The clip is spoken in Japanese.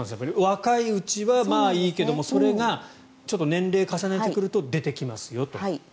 若いうちは、まあいいけれどそれが年齢を重ねてくると出てきますよと。